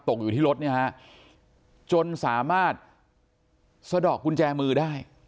อยู่ที่รถเนี่ยฮะจนสามารถสะดอกกุญแจมือได้